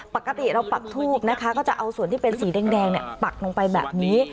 ปกติเราปักทูบนะคะก็จะเอาส่วนที่เป็นสีแดงปักลงไปแบบนี้